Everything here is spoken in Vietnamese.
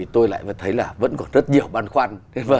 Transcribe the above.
tôi lại thấy vẫn còn rất nhiều băn khoăn